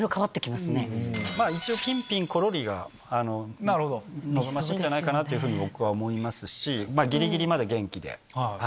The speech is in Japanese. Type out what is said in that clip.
まあ、一応、ぴんぴんころりが望ましいんじゃないかなというふうに、僕は思いますし、ぎりぎりまで元気で。